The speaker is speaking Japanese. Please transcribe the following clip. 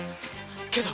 けど！